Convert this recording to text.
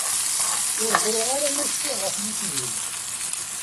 Ur ẓriɣ ara ma cfiɣ ɣef yisem-im.